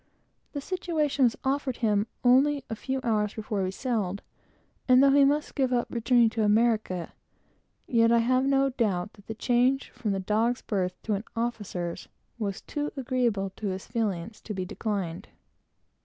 The situation was offered him only a few hours before we sailed; and though he must give up returning to America, yet I have no doubt that the change from a dog's berth to an officer's, was too agreeable to his feelings to be declined.